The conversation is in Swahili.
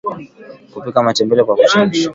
Kupika matembele kwa kuchemsha